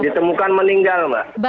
ditemukan meninggal mbak